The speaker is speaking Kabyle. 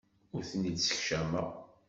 Ur ten-id-ssekcameɣ.